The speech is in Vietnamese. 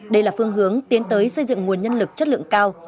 đây là phương hướng tiến tới xây dựng nguồn nhân lực chất lượng cao